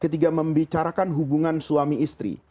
ketika membicarakan hubungan suami istri